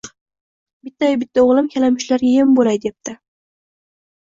Bittayu bitta o‘g‘lim kalamushlarga yem bo‘lay depti